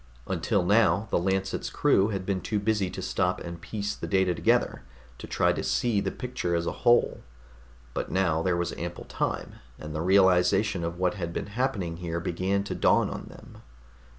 Until now, the Lancet's crew had been too busy to stop and piece the data together, to try to see the picture as a whole. But now there was ample time, and the realization of what had been happening here began to dawn on them.